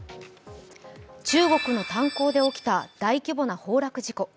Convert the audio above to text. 中国の炭鉱で起きた大規模な崩落事故。